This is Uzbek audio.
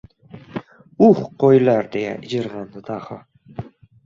"Uh, qo‘ylar! — deya ijirg‘andi Daho.